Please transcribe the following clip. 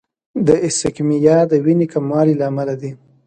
د ایسکیمیا د وینې کموالي له امله ده.